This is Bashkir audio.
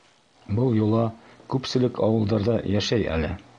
Был йола күпселек ауылдарҙа йәшәй әле.